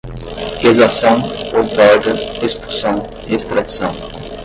exação, outorga, expulsão, extradição